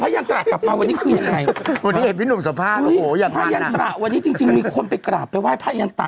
พระยันตะกลับมาวันนี้คือยังไงพระยันตะวันนี้จริงมีคนไปกราบไปไหว้พระยันตะ